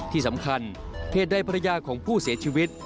ที่สำคัญเหตุใดภรรยาของผู้เสียชีวิต